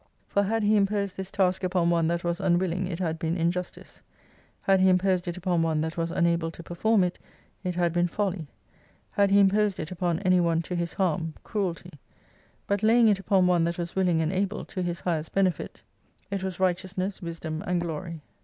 For had He imposed this task upon one that was unwilling, it had been injustice ; had He imposed it upon one that was unable to perform it, it had been folly : had He imposed it upon any one to his harm, cruelty ; but laying it upon one that was willing and able, to His highest benefit, it was right cousness, wisdom, and glory.